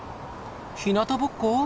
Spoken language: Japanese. ひなたぼっこ？